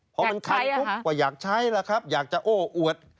เพราะมันคันกว่าอยากใช้ล่ะครับอยากจะโอ้อวด